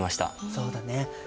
そうだね。